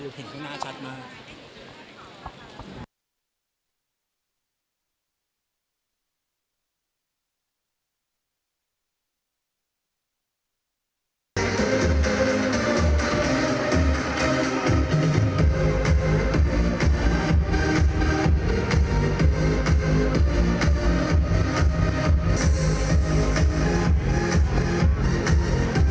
ขอบคุณมากมากค่ะไม่เห็นไม่เห็นเข้าหน้าชัดมาก